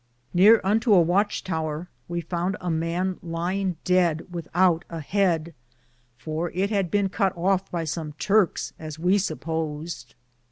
Neare unto a watche tower we founde a man lyinge deade with oute a heade, for it had bene cut of by som Turks as we supposed.